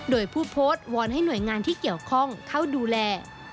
โดยผู้โพสต์วอนให้หน่วยงานที่เกี่ยวข้องเข้าดูแล